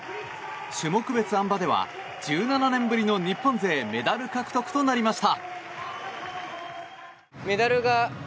種目別あん馬では１７年ぶりの日本勢メダル獲得となりました。